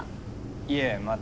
いえまだ。